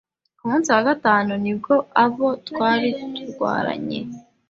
Ku munsi wa gatanu nibwo abo twari turwaranye